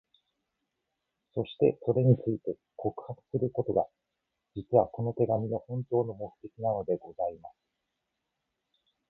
そして、それについて、告白することが、実は、この手紙の本当の目的なのでございます。